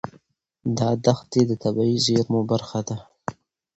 دا دښتې د طبیعي زیرمو برخه ده.